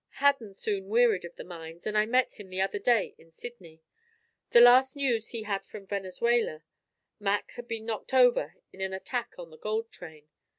Hadden soon wearied of the mines, and I met him the other day in Sydney. The last news he had from Venezuela, Mac had been knocked over in an attack on the gold train.